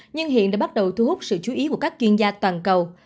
nhưng hiện đã bắt đầu thu hút sự chú ý của các chuyên gia toàn cầu